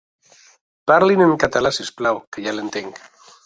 Parli'n en català, si us plau, que ja l'entenc.